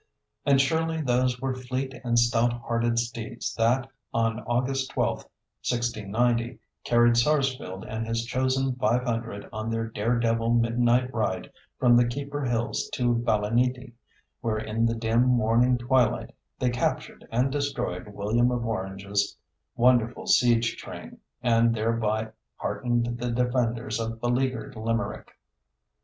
And surely those were fleet and stout hearted steeds that, on August 12, 1690, carried Sarsfield and his chosen five hundred on their dare devil midnight ride from the Keeper Hills to Ballyneety, where in the dim morning twilight they captured and destroyed William of Orange's wonderful siege train, and thereby heartened the defenders of beleaguered Limerick.